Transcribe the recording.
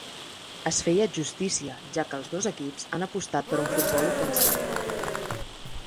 Es feia justícia, ja que els dos equips han apostat per un futbol ofensiu.